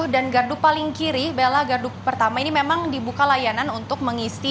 dan gardu paling kiri bella gardu pertama ini memang dibuka layanan untuk mengisi e tol